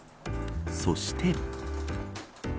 そして。